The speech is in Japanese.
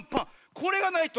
これがないと。